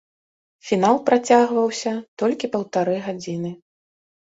Фінал працягваўся толькі паўтары гадзіны.